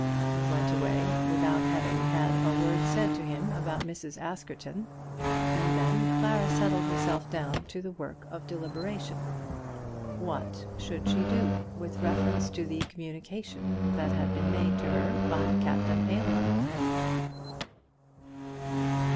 He went away without having had a word said to him about Mrs. Askerton, and then Clara settled herself down to the work of deliberation. What should she do with reference to the communication that had been made to her by Captain Aylmer?